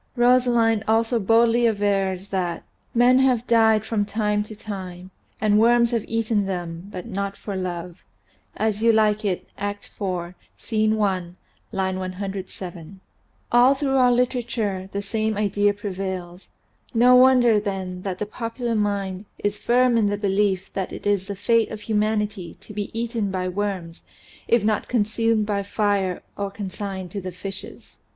Rosalind also boldly avers that "men have died from time to time, and worms have eaten them, but not for love " ("As You Like It," Act. IV, Scene i, line 107). And all through our literature the same idea prevails. No wonder then that the popular mind is firm in the belief that it is the fate of humanity to be eaten by worms if not consumed by fire or consigned to the fishes.